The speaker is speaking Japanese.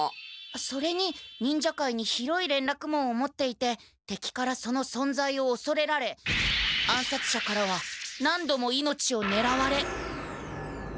それに忍者界に広いれんらくもうを持っていててきからそのそんざいをおそれられ暗さつ者からは何度も命をねらわれ。